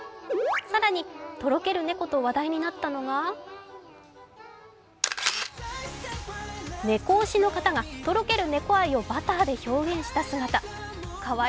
更にとろける猫と話題になったのが猫推しの方がとろける猫愛をバターで表現した一品。